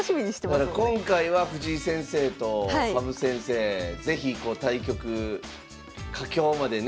だから今回は藤井先生と羽生先生是非対局佳境までね